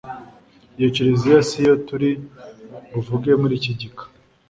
iyo kiliziya si yo turi buvuge muri iki gika